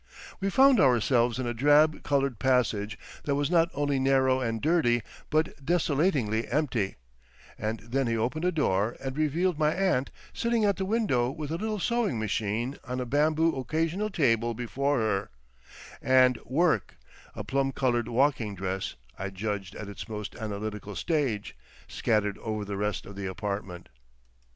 We found ourselves in a drab coloured passage that was not only narrow and dirty but desolatingly empty, and then he opened a door and revealed my aunt sitting at the window with a little sewing machine on a bamboo occasional table before her, and "work"—a plum coloured walking dress I judged at its most analytical stage—scattered over the rest of the apartment.